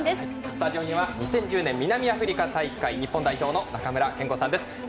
スタジオには２０１０年南アフリカ大会日本代表の中村憲剛さんです。